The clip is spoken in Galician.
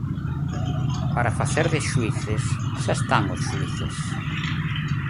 Para facer de xuíces xa están os xuíces.